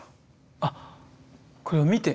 あっこれを見て？